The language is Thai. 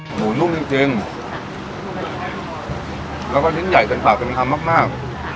หมูนุ่มจริงจริงแล้วก็ชิ้นใหญ่เต็มปากเต็มคำมากมาก